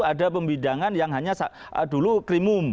ada pembidangan yang hanya dulu krimum